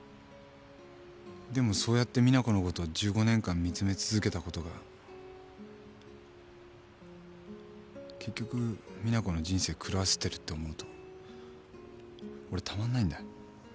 でもそうやって実那子のこと１５年間見つめ続けたことが結局実那子の人生狂わせてるって思うと俺たまんないんだ。